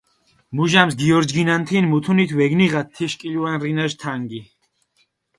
მუჟამს გიორჯგინანთინ, მუთუნით ვეგნიღათ თიშ კილუან რინაშ თანგი.